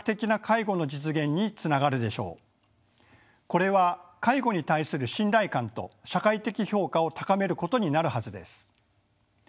これは介護に対する信頼感と社会的評価を高めることになるはずです。